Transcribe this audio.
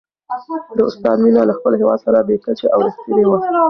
د استاد مینه له خپل هېواد سره بې کچې او رښتینې وه.